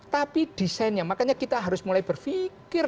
tapi desainnya makanya kita harus mulai berpikir